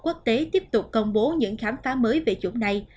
quốc tế tiếp tục công bố những khám phá mới về chủng này